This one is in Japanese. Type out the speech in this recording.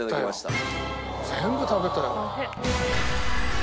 全部食べたよ。